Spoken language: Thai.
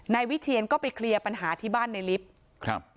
นายวิเชียนก็ไปเคลียร์ปัญหาที่บ้านในลิฟต์ครับ